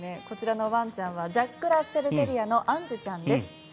こちらのワンちゃんはジャックラッセルテリアのあんじゅちゃんです。